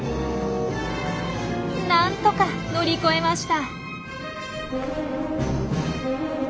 何とか乗り越えました。